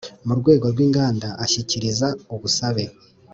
Mu rwego rw inganda ashyikiriza ubusabe